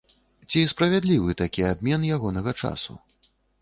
Ці справядлівы такі абмен ягонага часу?